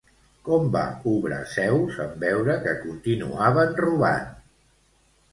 Com va obrar Zeus en veure que continuaven robant?